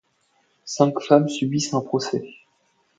Cinq femmes subissent un procès.